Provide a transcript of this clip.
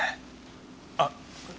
あっ！